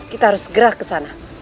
kita harus gerak ke sana